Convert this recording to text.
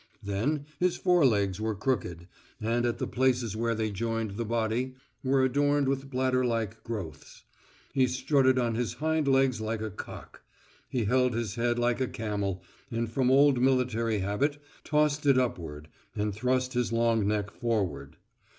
Then his forelegs were crooked, and at the places where they joined the body were adorned with bladder like growths; he strutted on his hind legs like a cock. He held his head like a camel, and from old military habit tossed it upward and thrust his long neck forward.